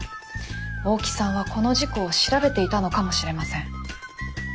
大木さんはこの事故を調べていたのかもしれません。